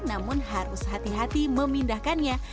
namun harus hati hati memindahkannya